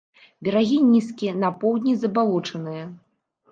Берагі нізкія, на поўдні забалочаныя.